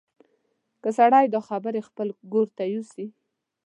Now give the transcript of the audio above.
که سړی دا خبرې خپل ګور ته یوسي.